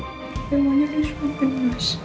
emangnya ini semua penuh mas